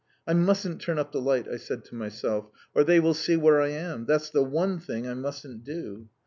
"I mustn't turn up the light," I said to myself, "or they will see where I am! That's the one thing I mustn't do."